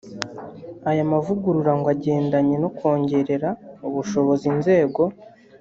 Aya mavugurura ngo igendanye no kongerera ubushobozi inzego